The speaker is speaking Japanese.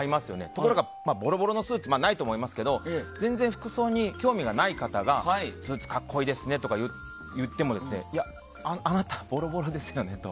ところがぼろぼろのスーツないと思いますけど全然、服装に興味がない方がスーツ格好いいですねとか言ってもいや、あなたはぼろぼろですよねと。